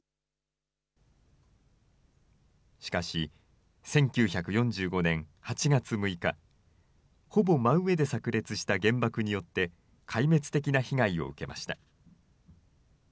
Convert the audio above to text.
しかし、１９４５年８月６日、ほぼ真上でさく裂した原爆によって、壊滅的な被害を受けました。